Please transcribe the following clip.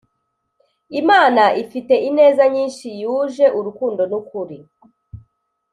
Imana ifite ineza nyinshi yuje urukundo n’ukuri